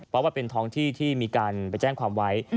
เพราะว่าเป็นท้องที่ที่มีการไปแจ้งความไว้